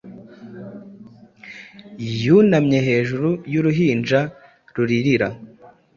Yunamye hejuru y'uruhinja ruririra,